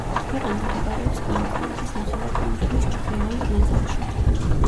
ქვეყანა მდებარეობს ბალკანეთის ნახევარკუნძულის ჩრდილოეთ ნაწილში.